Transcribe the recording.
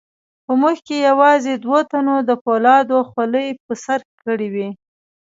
په موږ کې یوازې دوو تنو د فولادو خولۍ په سر کړې وې.